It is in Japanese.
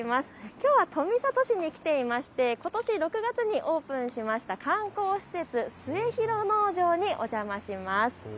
きょうは富里市に来ていまして、ことし６月にオープンしました観光施設、末廣農場にお邪魔します。